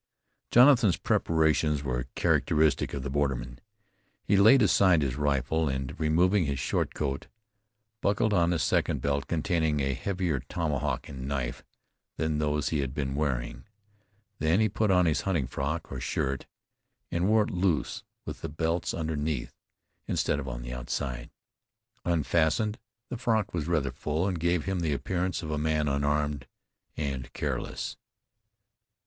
Jonathan's preparations were characteristic of the borderman. He laid aside his rifle, and, removing his short coat, buckled on a second belt containing a heavier tomahawk and knife than those he had been wearing. Then he put on his hunting frock, or shirt, and wore it loose with the belts underneath, instead of on the outside. Unfastened, the frock was rather full, and gave him the appearance of a man unarmed and careless.